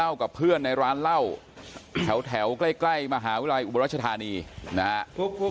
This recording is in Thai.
เล่ากับเพื่อนในร้านเล่าแถวใกล้มหาวิรัยอุบลรัชธานีนะฮะ